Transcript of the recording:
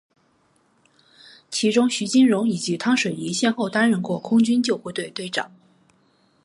其中徐金蓉以及汤水易先后担任过空军救护队队长。